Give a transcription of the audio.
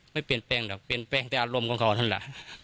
ไม่เปลี่ยนแปลงหรอกเปลี่ยนแปลงแต่อารมณ์ของเขานั่นแหละ